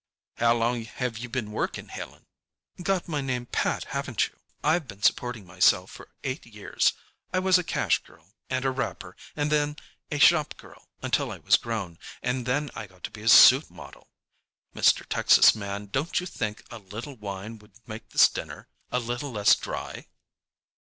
"How long have you been working, Helen?" "Got my name pat, haven't you? I've been supporting myself for eight years. I was a cash girl and a wrapper and then a shop girl until I was grown, and then I got to be a suit model. Mr. Texas Man, don't you think a little wine would make this dinner a little less dry?"